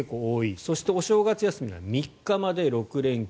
そして、お正月休みは３日まで６連休。